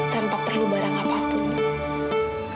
tanpa perlu barang apapun